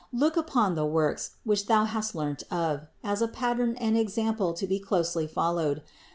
Look upon the works, which thou hast learnt of, as a pattern and example to be closely followed.